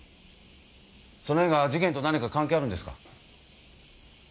その絵が事件と何か関係があるんですか？